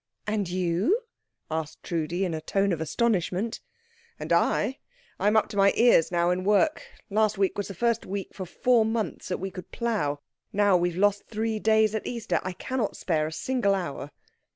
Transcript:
"And you?" asked Trudi, in a tone of astonishment. "And I? I am up to my ears now in work. Last week was the first week for four months that we could plough. Now we have lost these three days at Easter. I cannot spare a single hour."